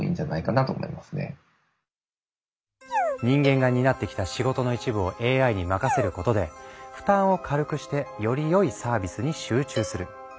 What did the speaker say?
人間が担ってきた仕事の一部をＡＩに任せることで負担を軽くしてよりよいサービスに集中する。